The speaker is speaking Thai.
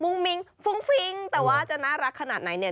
มิ้งฟุ้งฟิ้งแต่ว่าจะน่ารักขนาดไหนเนี่ย